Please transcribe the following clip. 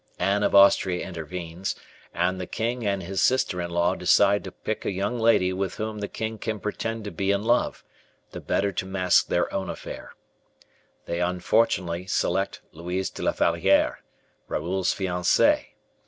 Anne of Austria intervenes, and the king and his sister in law decide to pick a young lady with whom the king can pretend to be in love, the better to mask their own affair. They unfortunately select Louise de la Valliere, Raoul's fiancee.